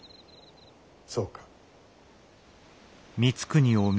そうか。